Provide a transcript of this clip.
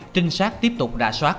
trinh sát tiếp tục đà soát